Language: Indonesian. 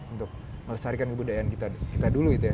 untuk melestarikan kebudayaan kita dulu gitu ya